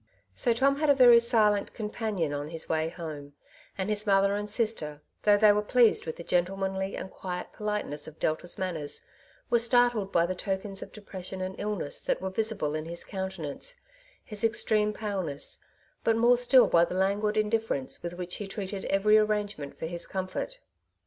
So Tom had a very silent com panion on his way home ; and his mother and sister, though they were pleased with the gentlemanly and quiet politeness of Delta^s manners, were startled by the tokens of depression and illness that were visible in his countenance, his extreme paleness, but more still by the languid indifference with which he treated every arrangement for his comfort.